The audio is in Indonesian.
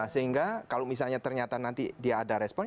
sehingga kalau misalnya ternyata nanti dia ada respon